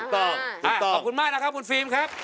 ถูกต้องขอบคุณมากนะครับคุณฟิล์มครับ